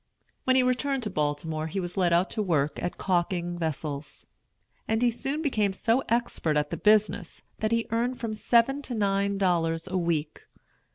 When he returned to Baltimore he was let out to work at calking vessels; and he soon became so expert at the business that he earned from seven to nine dollars a week.